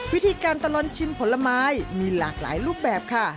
วิธีการตลอดชิมผลไม้มีหลากหลายรูปแบบค่ะ